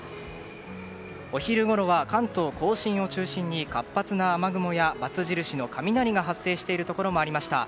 お昼ごろは関東・甲信を中心に活発な雨雲や×印の雷が発生しているところもありました。